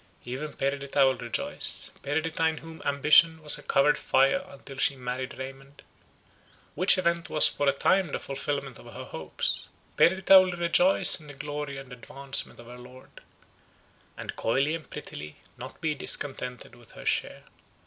Even Perdita will rejoice. Perdita, in whom ambition was a covered fire until she married Raymond, which event was for a time the fulfilment of her hopes; Perdita will rejoice in the glory and advancement of her lord—and, coyly and prettily, not be discontented with her share.